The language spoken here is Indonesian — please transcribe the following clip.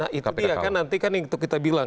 nah itu dia kan nanti kan yang kita bilang